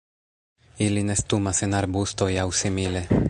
Ili nestumas en arbustoj aŭ simile.